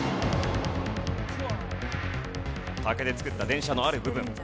竹で作った電車のある部分。